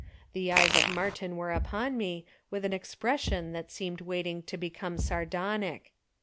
The eyes of Martin were upon me with an expression that seemed waiting to become sardonic.